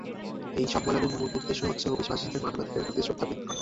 এই সম্মেলনের মূল উদ্দেশ্য হচ্ছে অভিবাসীদের মানবাধিকারের প্রতি শ্রদ্ধা বৃদ্ধি করা।